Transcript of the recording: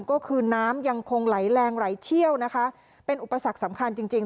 ก็คือน้ำยังคงไหลแรงไหลเชี่ยวนะคะเป็นอุปสรรคสำคัญจริงจริง